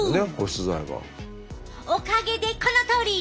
おかげでこのとおり！